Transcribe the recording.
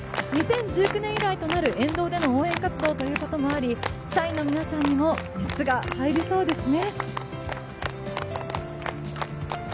２０１９年以来となる沿道での応援活動ということもあり社員の皆さんにも熱が入りそうですね。